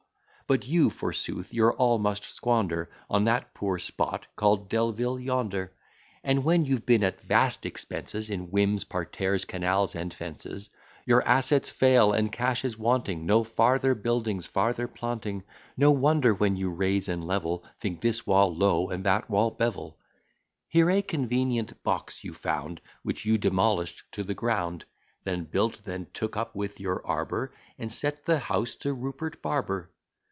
But you, forsooth, your all must squander On that poor spot, call'd Dell ville, yonder; And when you've been at vast expenses In whims, parterres, canals, and fences, Your assets fail, and cash is wanting; Nor farther buildings, farther planting: No wonder, when you raise and level, Think this wall low, and that wall bevel. Here a convenient box you found, Which you demolish'd to the ground: Then built, then took up with your arbour, And set the house to Rupert Barber.